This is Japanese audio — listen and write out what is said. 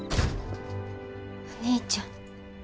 お兄ちゃん。